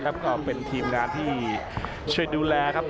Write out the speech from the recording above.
อัศวินาศาสตร์